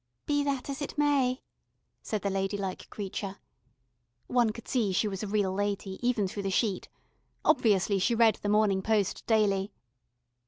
"Be that as it may," said the ladylike creature. (One could see she was a Real Lady even through the sheet. Obviously she read the Morning Post daily.)